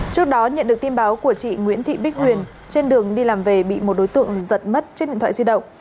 trước đó nhận được tin báo của chị nguyễn thị bích huyền trên đường đi làm về bị một đối tượng giật mất trên điện thoại di động